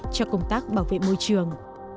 cho công tác bảo vệ môi trường